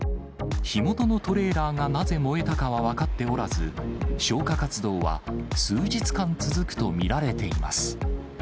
火元のトレーラーがなぜ燃えたかは分かっておらず、消火活動は数日間続くと見られています。